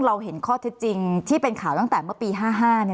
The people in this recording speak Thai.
เราเห็นข้อที่จริงที่เป็นข่าวตั้งแต่เมื่อปีห้าห้านี่